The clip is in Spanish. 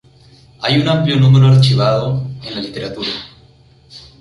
Hay un amplio número archivado en la literatura.